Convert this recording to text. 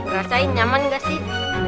rasain nyaman gak sih